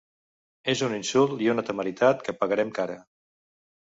És un insult i una temeritat que pagarem cara.